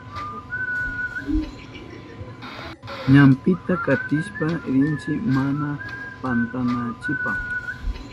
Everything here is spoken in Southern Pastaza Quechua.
Ñampita katishpa rinchi mana pantananchipa.